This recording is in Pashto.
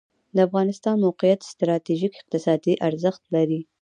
د افغانستان موقعیت ستراتیژیک اقتصادي ارزښت لري